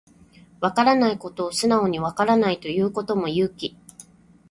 わからないことを素直にわからないと言うことも勇気